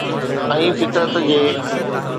۽ فطرت جي.